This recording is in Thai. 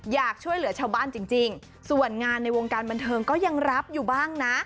อยากช่วยเหลือชาวบ้านจริงส่วนงานในวงการบันเทิงก็ยังรับอยู่บ้างนะ